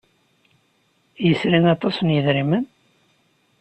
Yesri aṭas n yidrimen?